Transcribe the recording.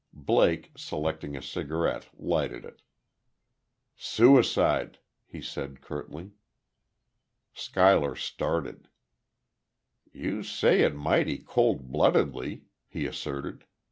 Blake, selecting a cigarette, lighted it. "Suicide," he said, curtly. Schuyler started. "You say it mighty cold bloodedly," he asserted.